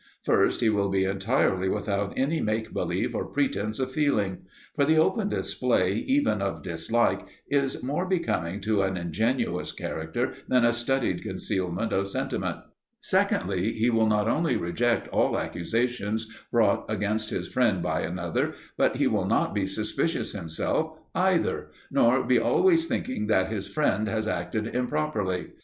First, he will be entirely without any make believe or pretence of feeling; for the open display even of dislike is more becoming to an ingenuous character than a studied concealment of sentiment. Secondly, he will not only reject all accusations brought against his friend by another, but he will not be suspicious himself either, nor be always thinking that his friend has acted improperly.